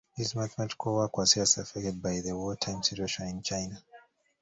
His mathematical work was seriously affected by the wartime situation in China.